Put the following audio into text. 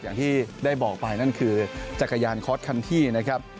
อย่างที่ได้บอกไปนั่นคือจักรยานคอร์สคันที่นะครับ